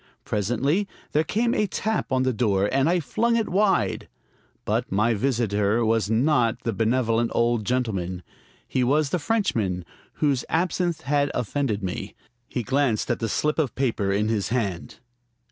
Presently there came a tap on the door, and I flung it wide. But my visitor was not the benevolent old gentleman. He was the Frenchman whose absinthe had offended me. He glanced at the slip of paper in his hand.